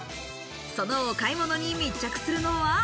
そのお買い物に密着するのは。